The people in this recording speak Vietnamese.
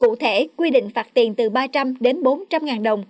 cụ thể quy định phạt tiền từ ba trăm linh đến bốn trăm linh ngàn đồng